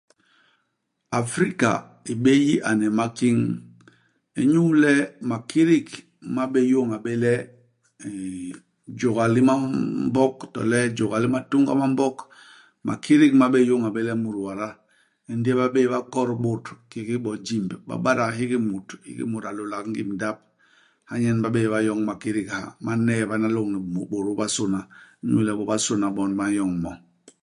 Afrika i bé yi ane i makiñ, inyu le makidik ma bé yôña bé le nn jôga li ma mm mbok, to le jôga li matunga ma mbok. Makidik ma bé yôña bé le mut wada, ndi ba bé'é ba kot bôt, kiki bo jimb ; ba badak hiki mut ; hiki mut a lôlak i ngim ndap. Ha nyen ba bé'é ba nyoñ makidik ha, ma n'neebana lôñni bo bôt bobasôna, inyu le bobasôna bon ba n'yoñ mo.